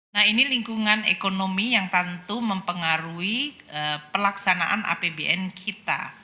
nah ini lingkungan ekonomi yang tentu mempengaruhi pelaksanaan apbn kita